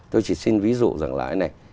tôi chỉ xin ví dụ rằng là cái này